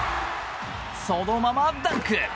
そのまま、ダンク！